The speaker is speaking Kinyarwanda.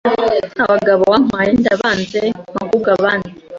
abagabo wampaye ndabanze, mpa ahubwo abandi